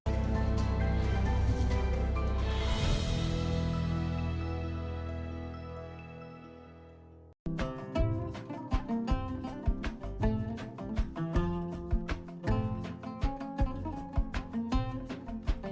jadi dari kecil banyak kisah sekali